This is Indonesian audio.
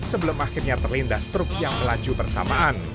sebelum akhirnya terlindas truk yang melaju bersamaan